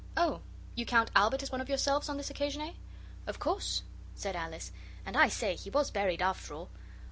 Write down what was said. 'Oh, you count Albert as one of yourselves on this occasion, eh?' 'Of course,' said Alice; 'and I say, he was buried after all.